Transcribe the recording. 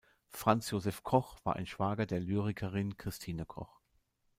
Franz Joseph Koch war ein Schwager der Lyrikerin Christine Koch.